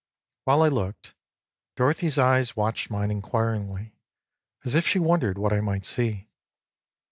While I looked, Dorothy's eyes watched mine inquiringly, as if she wondered what I might see.